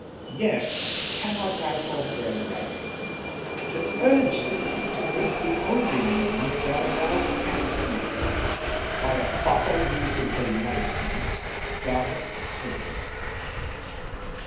Yet cannot I forbear writing, to urge thee to make the only amends thou now canst make her, by a proper use of the license thou hast obtained.